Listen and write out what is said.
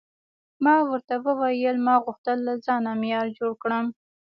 ما ورته وویل: ما غوښتل له ځانه معمار جوړ کړم.